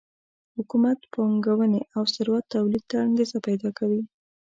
حکومت پانګونې او ثروت تولید ته انګېزه پیدا کوي